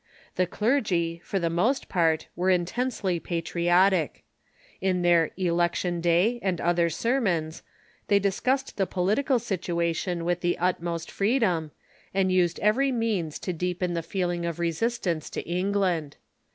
The clergy, for the most part, were intensely patriotic. In their " election day " and other sermons, they discussed the polit ical situation with the utmost freedom, and used every means to deepen the feeling of resistance to England.